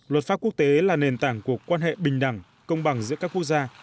luật pháp quốc tế là nền tảng của quan hệ bình đẳng công bằng giữa các quốc gia